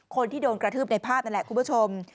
คนที่โดนกระทืบในภาพนั่นแหละคุณผู้ชม